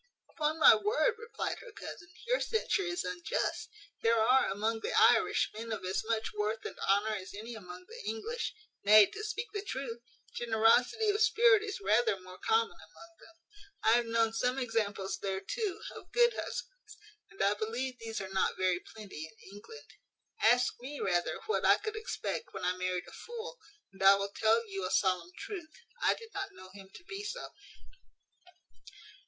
"Upon my word," replied her cousin, "your censure is unjust. There are, among the Irish, men of as much worth and honour as any among the English: nay, to speak the truth, generosity of spirit is rather more common among them. I have known some examples there, too, of good husbands; and I believe these are not very plenty in England. Ask me, rather, what I could expect when I married a fool; and I will tell you a solemn truth; I did not know him to be so."